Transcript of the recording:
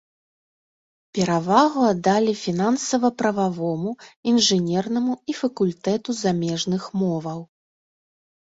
Перавагу аддалі фінансава-прававому, інжынернаму і факультэту замежных моваў.